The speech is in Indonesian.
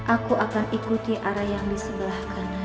aku akan ikuti arah yang disebelah kanan